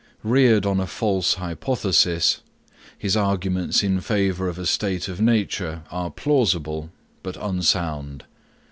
Reared on a false hypothesis, his arguments in favour of a state of nature are plausible, but unsound.